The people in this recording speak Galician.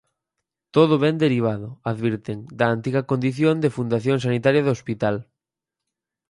Todo vén derivado, advirten, da antiga condición de fundación sanitaria do hospital.